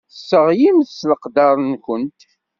Tesseɣlimt s leqder-nwent.